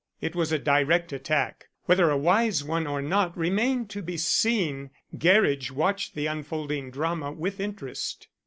It was a direct attack. Whether a wise one or not remained to be seen. Gerridge watched the unfolding drama with interest.